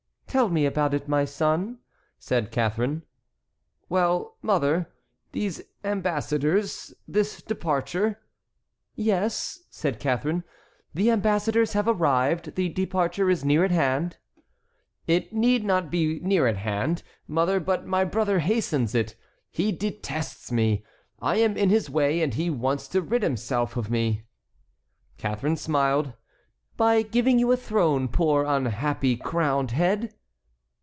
"Tell me about it, my son," said Catharine. "Well, mother,—these ambassadors,—this departure"— "Yes," said Catharine, "the ambassadors have arrived; the departure is near at hand." "It need not be near at hand, mother, but my brother hastens it. He detests me. I am in his way, and he wants to rid himself of me." Catharine smiled. "By giving you a throne, poor, unhappy crowned head!"